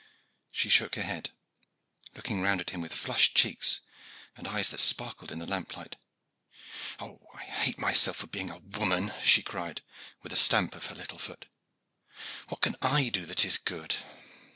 She shook her head, looking round at him with flushed cheeks and eyes that sparkled in the lamp light. "Oh, but I hate myself for being a woman!" she cried, with a stamp of her little foot. "What can I do that is good?